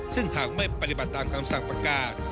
ซึ่งหากไม่ปฏิบัติตามคำสั่งประกาศ